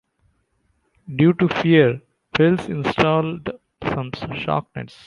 Due to fear, Wells installed some shark nets.